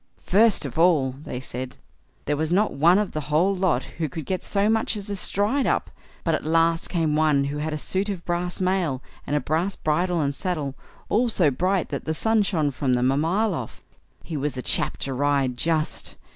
"First of all", they said, "there was not one of the whole lot who could get so much as a stride up; but at last came one who had a suit of brass mail, and a brass bridle and saddle, all so bright that the sun shone from them a mile off. He was a chap to ride, just!